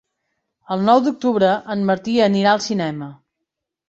El nou d'octubre en Martí anirà al cinema.